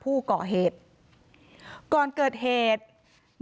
นายสาราวุธคนก่อเหตุอยู่ที่บ้านกับนางสาวสุกัญญาก็คือภรรยาเขาอะนะคะ